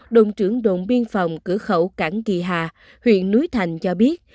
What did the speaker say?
động trưởng động biên phòng cửa khẩu cảng kỳ hà huyện núi thành cho biết